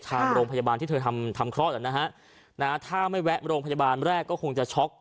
ทางโรงพยาบาลที่เธอทำทำคลอดอ่ะนะฮะถ้าไม่แวะโรงพยาบาลแรกก็คงจะช็อก